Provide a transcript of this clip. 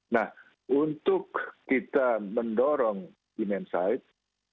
nah untuk kita mendorong demand side